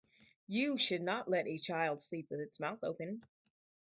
You should not let a child sleep with its mouth open.